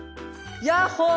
ヤッホー！